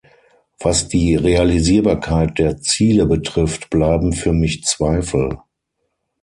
Was die Realisierbarkeit der Ziele betrifft, bleiben für mich Zweifel.